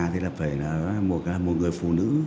thì là phải là một người phụ nữ